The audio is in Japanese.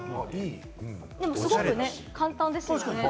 すごく簡単ですよね。